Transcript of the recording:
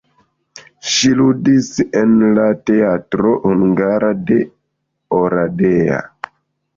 Ŝi ludis en la teatro hungara de Oradea.